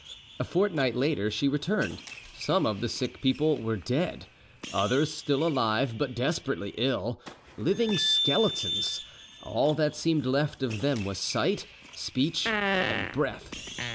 A fortnight later she returned. Some of the sick people were dead, others still alive, but desperately ill; living skeletons, all that seemed left of them was sight, speech, and breath.